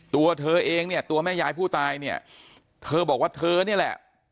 ตัวเธอเองเนี่ยตัวแม่ยายผู้ตายเนี่ยเธอบอกว่าเธอนี่แหละ